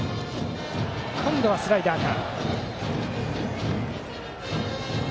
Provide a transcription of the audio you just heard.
今度はスライダーか。